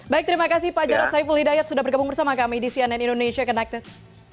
baik terima kasih pak jarod saiful hidayat sudah bergabung bersama kami di cnn indonesia connected